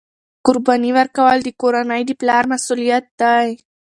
قرباني ورکول د کورنۍ د پلار مسؤلیت دی.